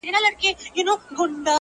لږ وزړه ته مي ارام او سکون غواړم,